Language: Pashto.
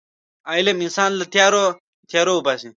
علم انسان له تیارو وباسي.